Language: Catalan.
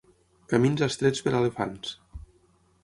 Camins estrets per a elefants.